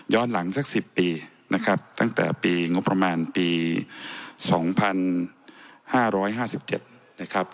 หลังสัก๑๐ปีนะครับตั้งแต่ปีงบประมาณปี๒๕๕๗นะครับ